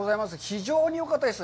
非常によかったです。